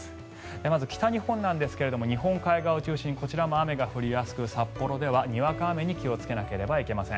まず北日本ですが日本海側を中心にこちらも雨が降りやすく札幌ではにわか雨に気をつけなければいけません。